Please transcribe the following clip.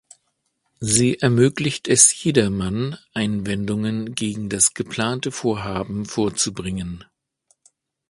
Sie ermöglicht es jedermann, Einwendungen gegen das geplante Vorhaben vorzubringen.